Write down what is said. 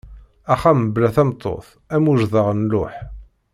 Axxam bla tameṭṭut am ujdar n lluḥ.